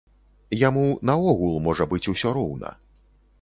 Яму наогул можа быць усё роўна.